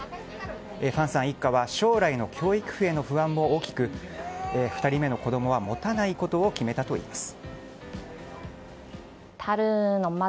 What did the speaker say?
ファンさん一家は将来の教育費への不安も大きく２人目の子供は持たないことを決めたといいます。